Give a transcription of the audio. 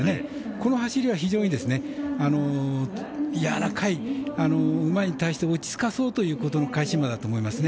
この走りは非常にやわらかい、馬に対して落ち着かそうという意味の返し馬だと思いますね。